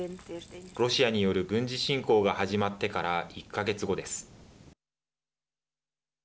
ロシアによる軍事侵攻が始まってから１か月後です。